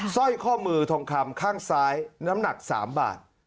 สร้อยข้อมือทองคำข้างซ้ายน้ำหนัก๓บาท